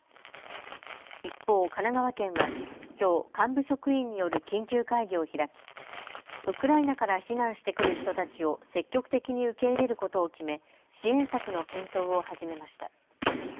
一方、神奈川県はきょう、幹部職員による緊急会議を開きウクライナから避難してくる人たちを積極的に受け入れることを決め、支援策の検討を始めました。